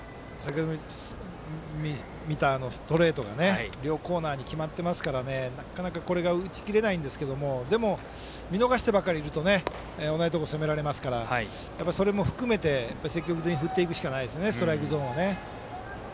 ストレートが両コーナーに決まっていますからなかなか、これが打ちきれないんですがただ、見逃してばかりいると同じところ、攻められますからそれも含めて積極的に振っていくしかないですねストライクゾーンを。